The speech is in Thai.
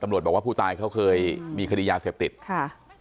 บอกว่าผู้ตายเขาเคยมีคดียาเสพติดค่ะ